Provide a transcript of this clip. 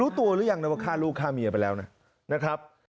ตัวหรือยังนะว่าฆ่าลูกฆ่าเมียไปแล้วนะครับ